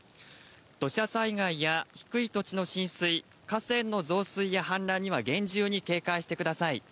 土砂災害や低い土地の浸水、河川の増水や氾濫には厳重に警戒してください。